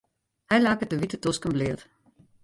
Hy laket de wite tosken bleat.